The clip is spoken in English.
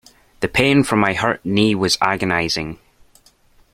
The pain from my hurt knee was agonizing.